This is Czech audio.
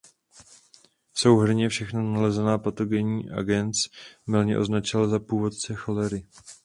Souhrnně všechna nalezená patogenní agens mylně označili za původce cholery.